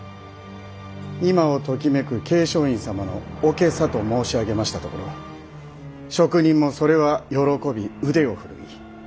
今をときめく桂昌院様のお袈裟と申し上げましたところ職人もそれは喜び腕を振るい。